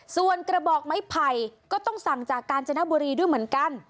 ส่วนกระบอกไม้ไผ่ก็ต้องสั่งจากกาญจนบุรีด้วยเหมือนกัน